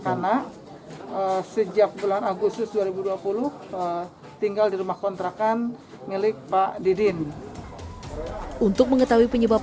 karena sejak bulan agustus dua ribu dua puluh tinggal di rumah kontrakan milik pak didin untuk mengetahui penyebab